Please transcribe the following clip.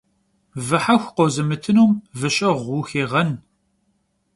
Vı hexu khozımıtınum vı şeğu vuxêğen.